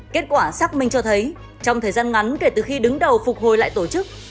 kết quả xác minh cho thấy trong thời gian ngắn kể từ khi đứng đầu phục hồi lại tổ chức